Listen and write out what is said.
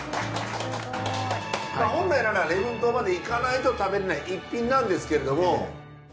本来なら礼文島まで行かないと食べられない逸品なんですけれども。